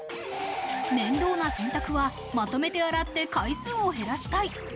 面倒な洗濯はまとめて洗って回数を減らしたい。